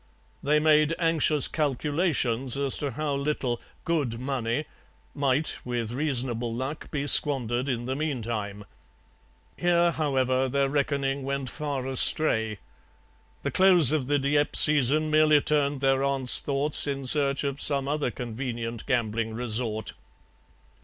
They made anxious calculations as to how little 'good money' might, with reasonable luck, be squandered in the meantime. Here, however, their reckoning went far astray; the close of the Dieppe season merely turned their aunt's thoughts in search of some other convenient gambling resort.